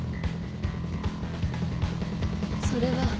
それは。